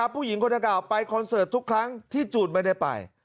ผู้หญิงคนดังกล่าวไปคอนเสิร์ตทุกครั้งที่จูนไม่ได้ไป